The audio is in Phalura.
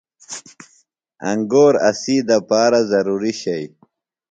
انگور اسی دپارہ ضروی شئی۔